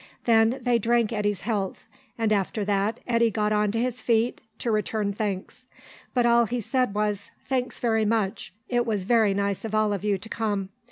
Then they drank Eddy's health, and after that Eddy got on to his feet to return thanks. But all he said was "Thanks very much. It was very nice of all of you to come.